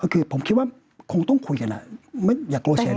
คือผมคิดว่าคงต้องคุยกันอย่ากลัวเซ็น